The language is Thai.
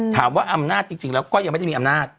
ถามว่าอำนาจจริงแล้วก็ยังไม่ได้มีอำนาจ